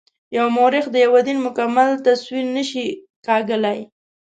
یو مورخ د یوه دین مکمل تصویر نه شي کاږلای.